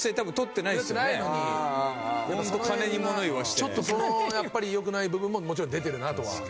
ちょっとそのやっぱり良くない部分ももちろん出てるなとは思って。